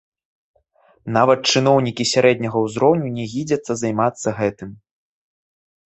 Нават чыноўнікі сярэдняга ўзроўню не гідзяцца займацца гэтым.